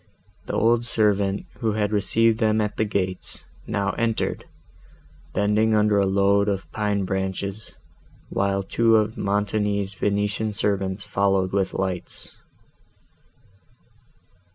The old servant, who had received them at the gates, now entered, bending under a load of pine branches, while two of Montoni's Venetian servants followed with lights.